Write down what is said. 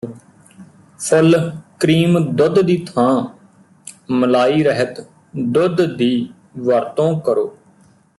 ਫੁੱਲ cream ਦੁੱਧ ਦੀ ਥਾਂ ਮਲਾਈ ਰਹਿਤ ਦੁੱਧ ਦੀ ਵਰਤੋਂ ਕਰੋ